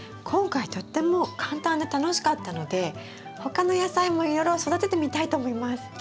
今回とっても簡単で楽しかったので他の野菜もいろいろ育ててみたいと思います。